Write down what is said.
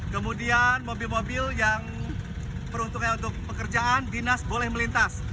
kemudian mobil mobil yang peruntukannya untuk pekerjaan dinas boleh melintas